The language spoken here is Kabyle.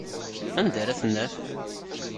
Anda ara t-naf?